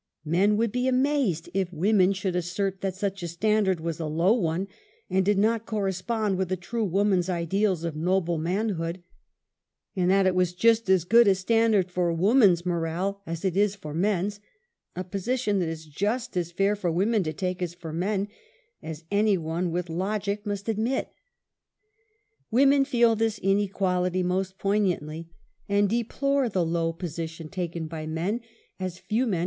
Men would be amazed if women should assert that such a standard was a low one and did not corres pond with a true woman's ideas of noble manhood, and that it was just as good a standard for woman's morale as it is for men's, (a position that is just as fair for women to take as for men, as any one with logic must admit.) INTRODUCTION. Women feel this inequality most poignantly, and deplore the low position taken by men, as few men.